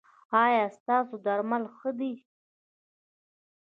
ایا ستاسو درمل ښه دي؟